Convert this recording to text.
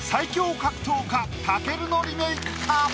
格闘家武尊のリメイクか？